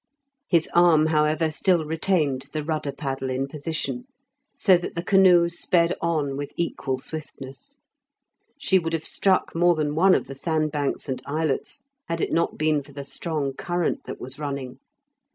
His arm, however, still retained the rudder paddle in position, so that the canoe sped on with equal swiftness. She would have struck more than one of the sandbanks and islets had it not been for the strong current that was running.